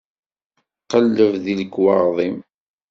Qelleb deg lekwaɣeḍ-im.